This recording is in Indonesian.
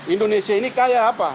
indonesia ini kaya apa